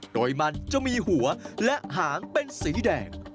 โดยมันจะมีหัวและหางเป็นสีแดง